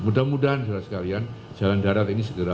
mudah mudahan saudara sekalian jalan darat ini segera